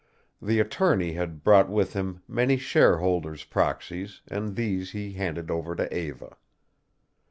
The attorney had brought with him many share holders' proxies, and these he handed over to Eva.